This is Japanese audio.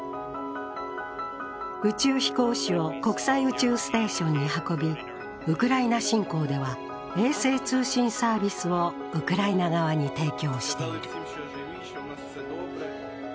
宇宙飛行士を国際宇宙ステーションに運び、ウクライナ侵攻では衛星通信サービスをウクライナ側に提供している。